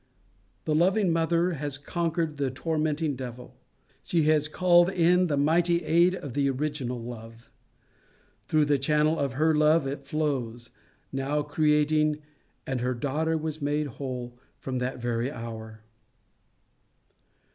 The loving mother has conquered the tormenting devil. She has called in the mighty aid of the original love. Through the channel of her love it flows, new creating, "and her daughter was made whole from that very hour."